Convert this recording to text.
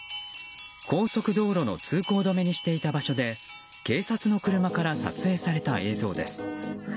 高速道路の通行止めにしていた場所で警察の車から撮影された映像です。